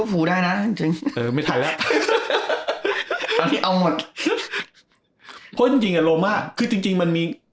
เอาหมดเพราะจริงจริงกับโรม่าคือจริงจริงมันมี